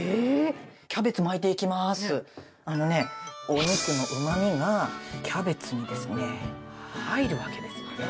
あのねお肉のうまみがキャベツにですね入るわけですよね。